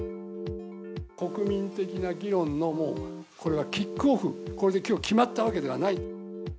国民的な議論のもうこれはキックオフ、これできょう決まったわけではない。